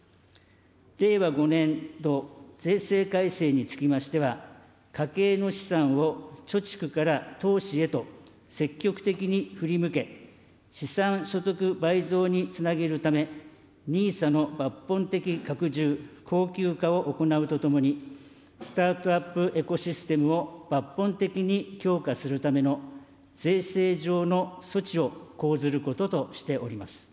令和５年度税制改正につきましては、家計の資産を貯蓄から投資へと、積極的に振り向け、資産所得倍増につなげるため、ＮＩＳＡの抜本的拡充・恒久化を行うとともに、スタートアップ・エコシステムを抜本的に強化するための税制上の措置を講ずることとしております。